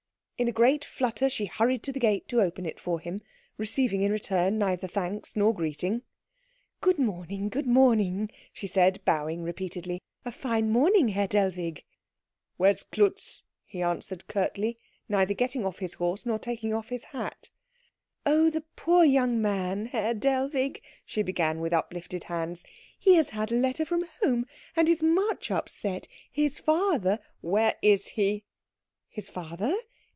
In a great flutter she hurried to the gate to open it for him, receiving in return neither thanks nor greeting. "Good morning, good morning," she said, bowing repeatedly. "A fine morning, Herr Dellwig." "Where's Klutz?" he asked curtly, neither getting off his horse nor taking off his hat. "Oh, the poor young man, Herr Dellwig!" she began with uplifted hands. "He has had a letter from home, and is much upset. His father " "Where is he?" "His father?